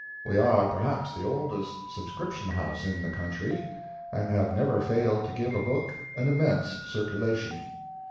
We are perhaps the oldest subscription house in the country, and have never failed to give a book an immense circulation.